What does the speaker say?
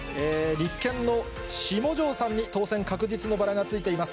立憲の下条さんに当選確実のバラがついています。